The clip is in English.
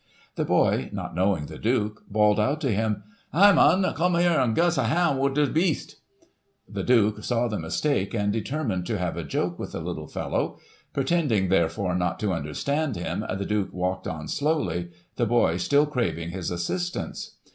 The boy, not knowing the Duke, bawled out to him :' Hi ! mun, come here an' gi'us a han' wi* this beast.' The Duke saw the mistake, and determined to have a joke with the little fellow, Pretending, therefore, not to understand him, the Duke walked on slowly, the boy still craving his assistance.